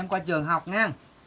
em qua trường học nghe